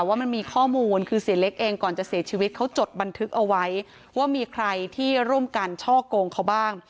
ว่ามันมีข้อมูลคือเสียเล็กเองก่อนจะเสียชีวิตเขาจดบันทึกเอาไว้ว่ามีใครที่ร่วมกันช่อกงเขาบ้าง